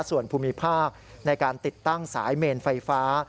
ส่วนภูมิภาคในการติดตั้งสายเมนไฟฟ้า